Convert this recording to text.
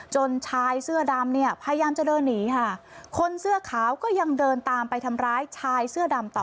ชายเสื้อดำเนี่ยพยายามจะเดินหนีค่ะคนเสื้อขาวก็ยังเดินตามไปทำร้ายชายเสื้อดำต่อ